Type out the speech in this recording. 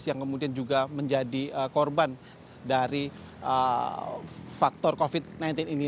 yang kemudian juga menjadi korban dari faktor covid sembilan belas ini